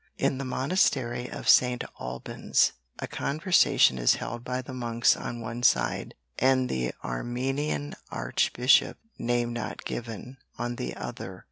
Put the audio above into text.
In the monastery of St. Albans a conversation is held by the monks on one side and the Armenian Archbishop name not given, on the other.